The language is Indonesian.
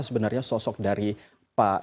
sebenarnya sosok dari pak